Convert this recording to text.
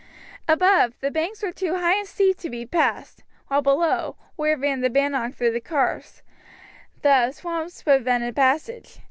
Above, the banks were too high and steep to be passed; while below, where ran the Bannock through the carse, the swamps prevented passage.